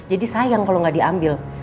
jadi sayang kalau nggak diambil